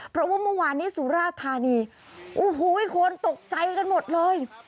เพราะว่าเมื่อวานนี้สุราธานีโอ้โหคนตกใจกันหมดเลย